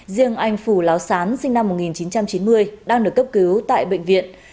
riêng anh phù láo sán sinh năm một nghìn chín trăm chín mươi đang được cấp cứu tại bệnh viện